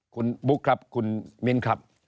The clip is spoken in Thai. คุณบุ๊คครับคุณมิ้นครับ